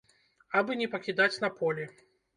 Абы не пакідаць на полі.